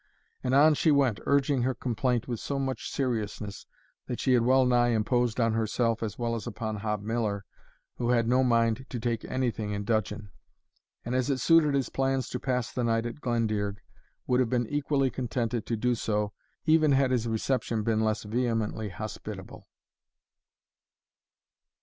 And on she went, urging her complaint with so much seriousness, that she had well nigh imposed on herself as well as upon Hob Miller, who had no mind to take any thing in dudgeon; and as it suited his plans to pass the night at Glendearg, would have been equally contented to do so even had his reception been less vehemently hospitable.